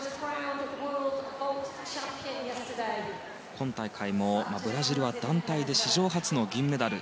今大会も、ブラジルは団体で史上初の銀メダル。